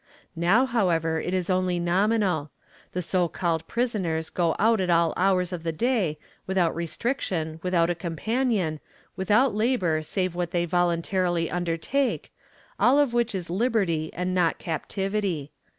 Now, however, it is only nominal; the so called prisoners go out at all hours of the day, without restriction, without a companion, without labor save what they voluntarily undertake, all of which is hberty and not captivity.